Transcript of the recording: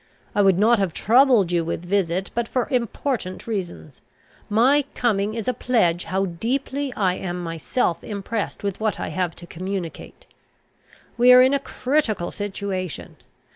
I would not have troubled you with a visit, but for important reasons. My coming is a pledge how deeply I am myself impressed with what I have to communicate. "We are in a critical situation.